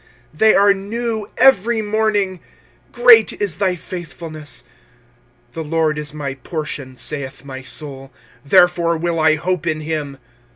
25:003:023 They are new every morning: great is thy faithfulness. 25:003:024 The LORD is my portion, saith my soul; therefore will I hope in him.